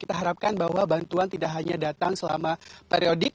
kita harapkan bahwa bantuan tidak hanya datang selama periodik